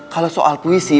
kalau soal puisi